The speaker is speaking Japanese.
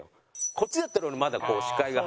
こっちだったら俺まだ視界が入る。